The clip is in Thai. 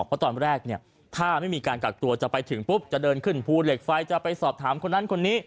เพราะตอนแรกเนี่ยถ้าไม่มีการกักตัวจะไปถึงปุ๊บจะเดินขึ้นภูเหล็กไฟจะไปสอบถามคนนั้นคนนี้